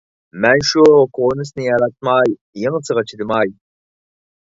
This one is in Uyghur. مەن شۇ كونىسىنى ياراتماي، يېڭىسىغا چىدىماي. ..